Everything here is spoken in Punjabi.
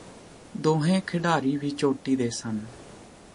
ਦੋਹੇਂ ਖਿਡਾਰੀ ਵੀ ਚੋਟੀ ਦੇ ਸਨ